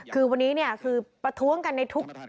คือวันนี้เนี่ยคือประท้วงกันในทุก